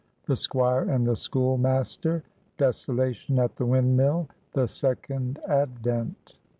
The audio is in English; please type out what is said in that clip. —THE SQUIRE AND THE SCHOOLMASTER.—DESOLATION AT THE WINDMILL.—THE SECOND ADVENT.